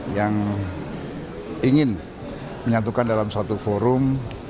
yang ingin menyatukan dalam suatu forum